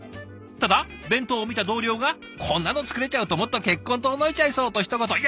ただ弁当を見た同僚が「こんなの作れちゃうともっと結婚遠のいちゃいそう」とひと言。